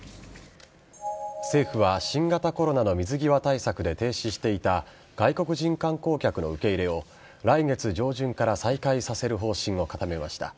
政府は新型コロナの水際対策で停止していた外国人観光客の受け入れを来月上旬から再開させる方針を固めました。